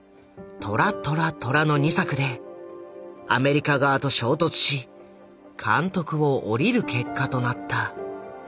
「トラ・トラ・トラ！」の２作でアメリカ側と衝突し監督を降りる結果となった。